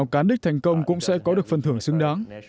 một cán đích thành công cũng sẽ có được phần thưởng xứng đáng